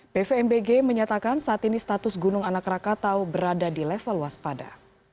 pvmbg menyatakan saat ini status gunung anak rakatau berada di level waspada